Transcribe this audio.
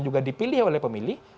juga dipilih oleh pemilih